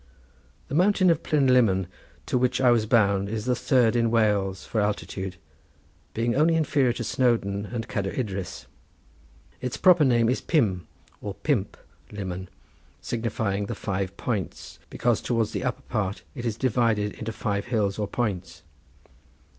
The mountain of Plynlimmon to which I was bound is the third in Wales for altitude, being only inferior to Snowdon and Cadair Idris. Its proper name is Pum or Pump Lumon, signifying the five points, because towards the upper part it is divided into five hills or points.